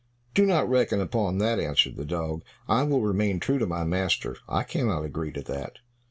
"Do not reckon upon that," answered the dog; "I will remain true to my master; I cannot agree to that."